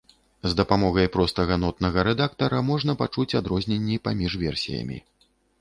З дапамогай простага нотнага рэдактара можна пачуць адрозненні паміж версіямі.